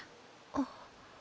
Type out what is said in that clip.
あっ。